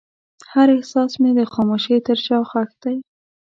هر احساس مې د خاموشۍ تر شا ښخ دی.